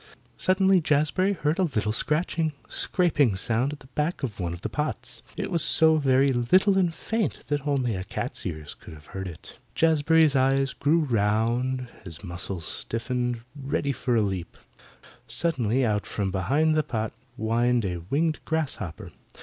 Suddenly Jazbury heard a little scratching, scraping sound back of one of the pots. It was so very little and faint that only a cat's ears could have heard it. Jazbury's eyes grew round, and his muscles stiffened ready for a leap. Suddenly out from behind the pot whined a winged grasshopper.